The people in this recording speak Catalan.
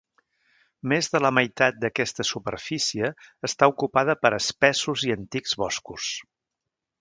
Més de la meitat d'aquesta superfície està ocupada per espessos i antics boscos.